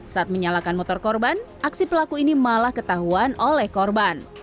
saat menyalakan motor korban aksi pelaku ini malah ketahuan oleh korban